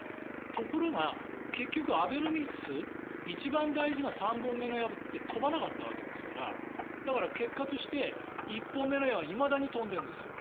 ところが結局、アベノミクス一番大事な３本目の矢って飛ばなかったわけですから結果として１本目の矢はいまだに飛んでいるんですよ。